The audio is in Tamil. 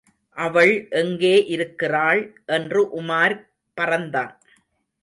அவள் எங்கே இருக்கிறாள்? என்று உமார் பறந்தான்.